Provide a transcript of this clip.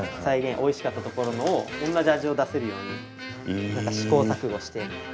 美味しかったところのを同じ味を出せるように試行錯誤して。